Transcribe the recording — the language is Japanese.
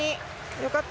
よかった。